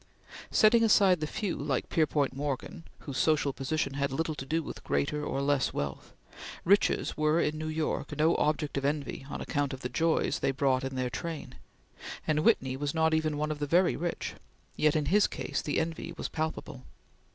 Setting aside the few, like Pierpont Morgan, whose social position had little to do with greater or less wealth, riches were in New York no object of envy on account of the joys they brought in their train, and Whitney was not even one of the very rich; yet in his case the envy was palpable.